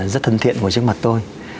rất thân thiện ngồi trước mặt tôi